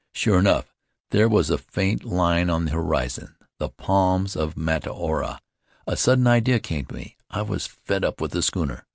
Sure enough there was a faint line on the horizon — the palms of Mataora. A sudden idea came to me. I was fed up with the schooner.